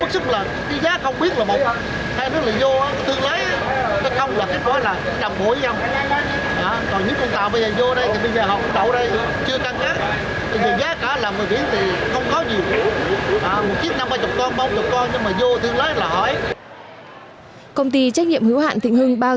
công ty trách nhiệm hiếu hạn thịnh hưng đã ký hợp đồng với công ty trách nhiệm hiếu hạn thịnh hưng khánh hòa